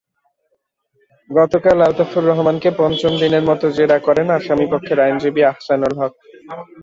গতকাল আলতাফুর রহমানকে পঞ্চম দিনের মতো জেরা করেন আসামিপক্ষের আইনজীবী আহসানুল হক।